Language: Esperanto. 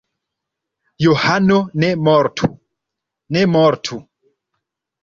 Johano ne mortu! Ne mortu!